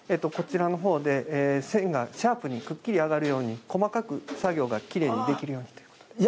こちらのほうで線がシャープにくっきりあがるように細かく作業がきれいにできるようにということで。